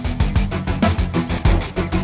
terima kasih udah nonton